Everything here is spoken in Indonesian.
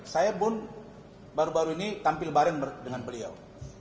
saya pun baru baru ini tampil bareng dengan beliau